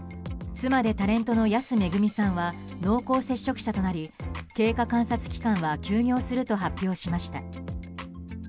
妻でタレントの安めぐみさんは濃厚接触者となり経過観察期間は休業すると発表しました。